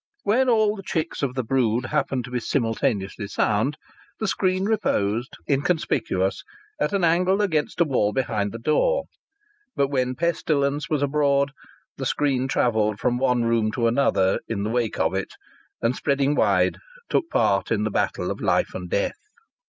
When all the chicks of the brood happened to be simultaneously sound the screen reposed, inconspicuous, at an angle against a wall behind the door; but when pestilence was abroad, the screen travelled from one room to another in the wake of it, and, spreading wide, took part in the battle of life and death.